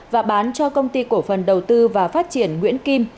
và bán cho công ty cổ phần đầu tư và phát triển nguyễn kim